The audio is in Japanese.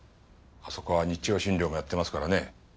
あそこは日曜診療もやってますからね。